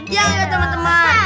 ya enggak teman teman